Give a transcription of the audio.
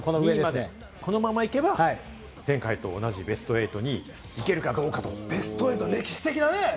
このままいけば、前回と同じベスト８に行けるかと。